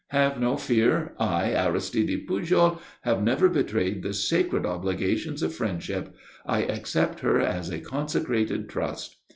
Have no fear. I, Aristide Pujol, have never betrayed the sacred obligations of friendship. I accept her as a consecrated trust."